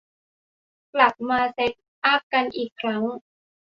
กลับมาเซตอัพกันอีกครั้ง